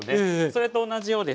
それと同じようですね。